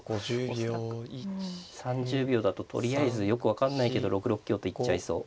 恐らく３０秒だととりあえずよく分かんないけど６六香と行っちゃいそう。